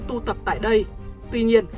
tu tập tại đây tuy nhiên